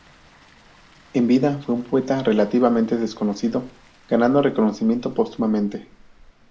En vida fue un poeta relativamente desconocido, ganando reconocimiento póstumamente.